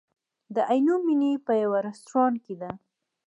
د عینومېنې په یوه رستورانت کې ده.